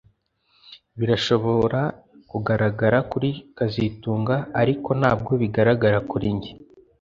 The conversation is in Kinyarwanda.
Birashobora kugaragara kuri kazitunga ariko ntabwo bigaragara kuri njye